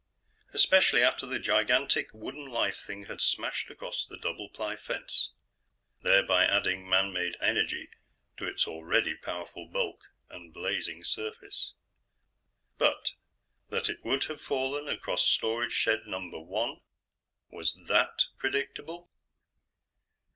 Especially after the gigantic wooden life thing had smashed across the double ply fence, thereby adding man made energy to its already powerful bulk and blazing surface. But that it would have fallen across Storage Shed Number One? Was that predictable?